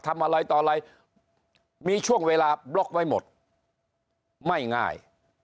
ทำอะไรต่ออะไรมีช่วงเวลาบล็อกไว้หมดไม่ง่าย